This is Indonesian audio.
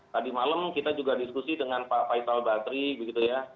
tadi malam kita juga diskusi dengan pak faisal bakri begitu ya